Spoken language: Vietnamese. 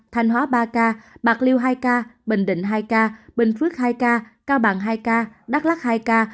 thanh hóa ba ca bạc liêu hai ca bình định hai ca bình phước hai ca cao bằng hai ca đắk lắc hai ca